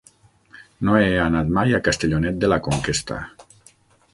No he anat mai a Castellonet de la Conquesta.